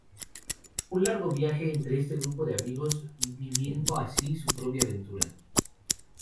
Un largo viaje entre este grupo de amigos viviendo así su propia aventura.